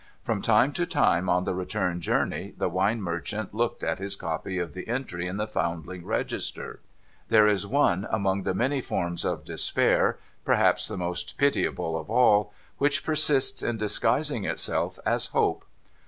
From time to time on the return journey, the wine merchant looked at his copy of the entry in the Foundling Register. There is one among the many forms of despair — perhaps the most pitiable of all — which persists in disguising itself as Hope.